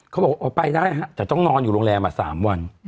เขาบอกอ๋อไปได้ฮะแต่ต้องนอนอยู่โรงแรม๓วัน